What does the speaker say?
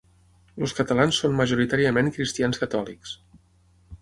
Els catalans són majoritàriament cristians catòlics.